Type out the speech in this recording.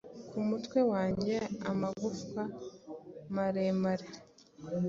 Ku mutwe wanjye, amagufwa maremare